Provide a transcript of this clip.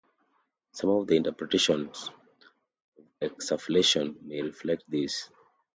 Some of the interpretations of exsufflation may reflect this.